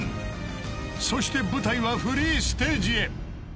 ［そして舞台はフリーステージへ］